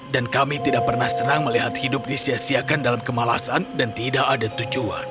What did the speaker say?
kami tidak pernah senang melihat hidup disiasiakan dalam kemalasan dan tidak ada tujuan